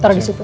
taruh di situ